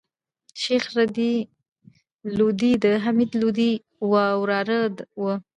شېخ رضي لودي دحمید لودي وراره وو.